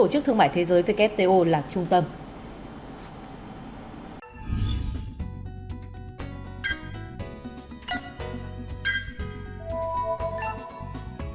các bộ trưởng thương mại apec cũng tái khẳng định cam kết đối với một hệ thống thương mại đa phương dựa trên quy tắc